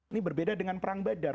ini berbeda dengan perang badan